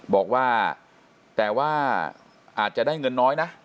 บอกว่าแต่ว่าอาจจะได้เงินน้อยนะ